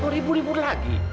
kok ribut ribut lagi